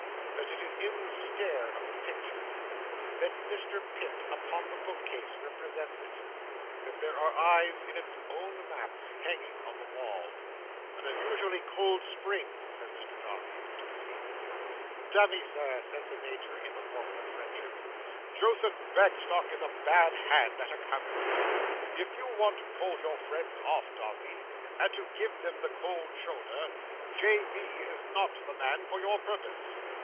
That it is in the stare of the pictures. That Mr Pitt, upon the bookcase, represents it. That there are eyes in its own map, hanging on the wall. "An unusually cold spring," says Mr Dombey—to deceive the world. "Damme, Sir," says the Major, in the warmth of friendship, "Joseph Bagstock is a bad hand at a counterfeit. If you want to hold your friends off, Dombey, and to give them the cold shoulder, J. B. is not the man for your purpose.